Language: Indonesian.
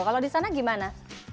kalau di sana gimana